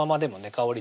香り